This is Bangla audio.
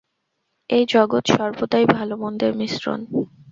এই জগৎ সর্বদাই ভাল-মন্দের মিশ্রণ।